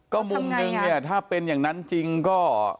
ก็มุมนึงเนี่ยถ้าเป็นอย่างนั้นจริงก็